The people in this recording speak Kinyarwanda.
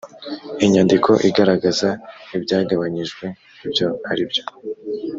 inyandiko igaragaza ibyagabanyijwe ibyo ari byo